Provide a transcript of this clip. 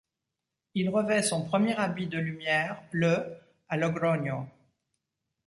Il revêt son premier habit de lumières le à Logroño.